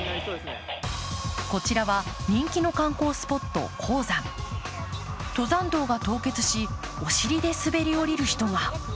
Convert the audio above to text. こちらは人気の観光スポット、衝山登山道が凍結しお尻で滑り降りる人が。